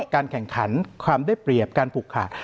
การแข่งขันความได้เปรียบการผูกขาด